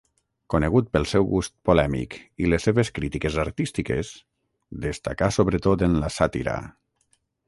Conegut pel seu gust polèmic i les seves crítiques artístiques, destacà sobretot en la sàtira.